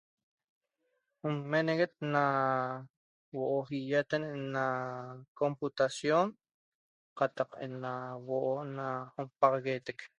Junmeneguet ena huo'o yiatenen na computacion cataq huoo' na napaxagueteq